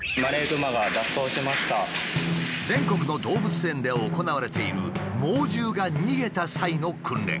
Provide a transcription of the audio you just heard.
全国の動物園で行われている猛獣が逃げた際の訓練。